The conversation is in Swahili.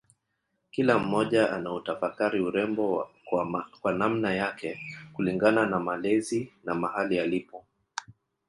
Kila mmoja anautafakari urembo kwa namna yake kulingana na malezi na mahali alipo